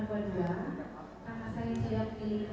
dari sosial media